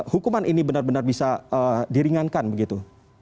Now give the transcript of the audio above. hukuman ini benar benar bisa diringankan begitu